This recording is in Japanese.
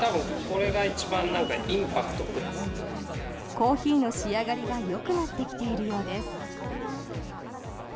コーヒーの仕上がりがよくなってきているようです。